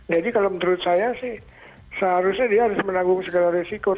jadi kalau menurut saya sih seharusnya dia harus menanggung segala risiko